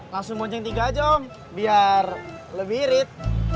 langsung monceng tiga jom biar lebih irit